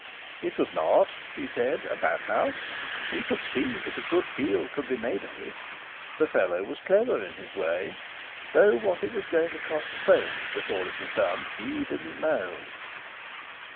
It was not, he said, a bad house. He could see that a good deal could be made of it. The fellow was clever in his way, though what it was going to cost Soames before it was done with he didn't know.